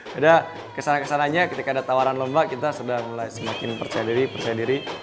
padahal kesana kesananya ketika ada tawaran lomba kita sudah mulai semakin percaya diri percaya diri